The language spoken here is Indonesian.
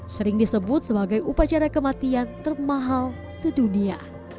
sering disebut sebagai upacara kematian termahal sedunia